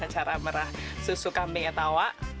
cara merah susu kambing etawa